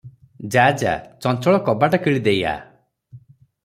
ଯା ଯା, ଚଞ୍ଚଳ କବାଟ କିଳି ଦେଇ ଆ ।